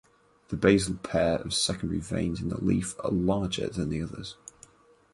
The basal pair of secondary veins in the leaf are larger than the others.